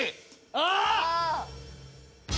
ああ！